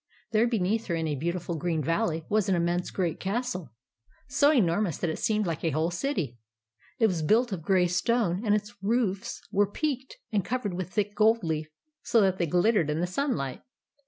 There beneath her, in a beautiful green valley, was an immense great castle, so enormous that it seemed like a whole city. It was built of grey stone, and its roofs were peaked, and covered with thick gold leaf so that they glittered in the sun light.